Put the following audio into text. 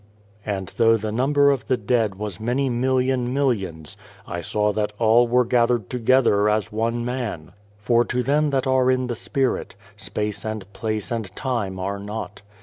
And though the number of the dead was many million millions, I saw that all were gathered together as one man. For to them that are in the Spirit, Space and Place and Time are not.